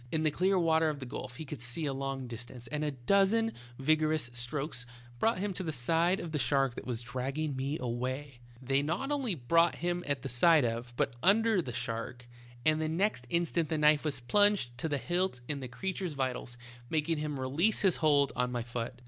"In the Clearwater of the gulf he could see a long distance, and a dozen vigorous strokes 74 THE TALKING HANDKERCHIEF. brought him to the side of the shark that was dragging me away. They not only brought him at the side of, but under the shark, and the next instant the knife was plunged to the hilt in the ereature's vitals, making him release his hold on my foot.